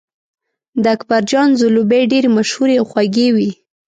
د اکبرجان ځلوبۍ ډېرې مشهورې او خوږې وې.